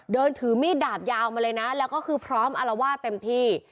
เดินถือมีดดาบยาวมาเลยนะแล้วก็คือพร้อมอารวาสเต็มที่